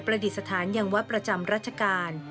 ดิษฐานยังวัดประจำรัชกาล